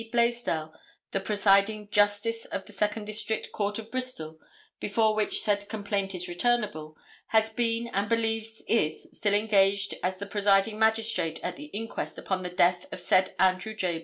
Blaisdell, the presiding Justice of the Second District Court of Bristol, before which said complaint is returnable, has been and believes is still engaged as the presiding magistrate at an inquest upon the death of said Andrew J.